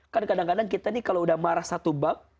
kan kadang kadang kita nih kalau udah marah satu bab